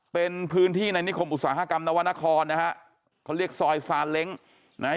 เป็นพื้นที่ในนิคมอุตสาหกรรมนวรรณครนะฮะเขาเรียกซอยซานเล้งนะฮะ